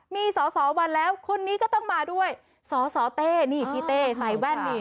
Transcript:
มีสอสอวันแล้วคนนี้ก็ต้องมาด้วยสสเต้นี่พี่เต้ใส่แว่นนี่